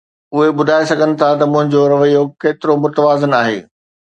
اهي ٻڌائي سگهن ٿا ته منهنجو رويو ڪيترو متوازن آهي.